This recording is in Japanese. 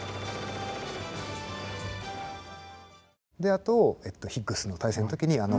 であとヒッグスの対戦の時に。